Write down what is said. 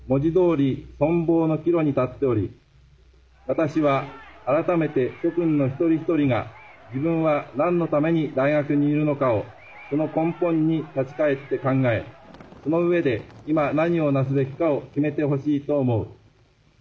「私は改めて諸君の一人一人が自分は何のために大学にいるのかをその根本に立ち返って考えその上で今何をなすべきかを決めてほしいと思う」。